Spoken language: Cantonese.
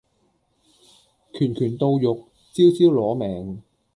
拳拳到肉，招招攞命